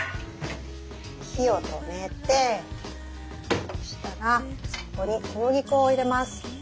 火を止めておろしたらここに小麦粉を入れます。